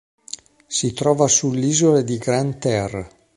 Si trova sull'isola di Grande Terre.